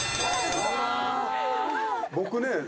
僕ね。